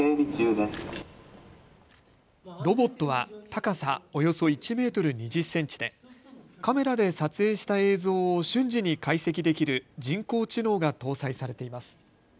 ロボットは高さおよそ１メートル２０センチでカメラで撮影した映像を瞬時に解析できる人工知能が搭載されています。